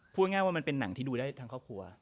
พูดง่ายว่ามันเป็นหนังที่ดูได้ทั้งครอบครัว